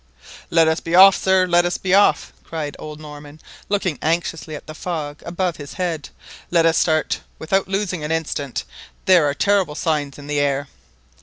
"Let us be off, sir! let us be off!" cried old Norman, looking anxiously at the fog above his head. " Let us start without losing an instant. There are terrible signs in the air!"